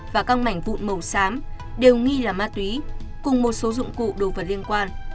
và các mảnh vụn màu xám đều nghi là ma túy cùng một số dụng cụ đồ vật liên quan